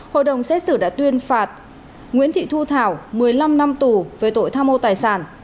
hội đồng xét xử đã tuyên phạt nguyễn thị thu thảo một mươi năm năm tù về tội tham mô tài sản